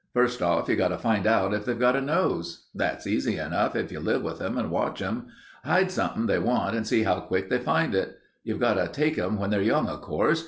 First off, you've got to find out if they've got a nose. That's easy enough if you live with 'em and watch 'em. Hide something they want and see how quick they find it. You've got to take 'em when they're young, of course.